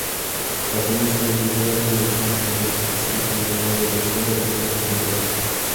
Asimismo, existe una dirección dependiente específica llamada Dirección de Residuos Peligrosos.